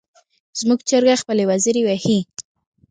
زموږ چرګه خپلې وزرې وهي.